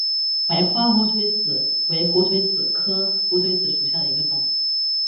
白花胡颓子为胡颓子科胡颓子属下的一个种。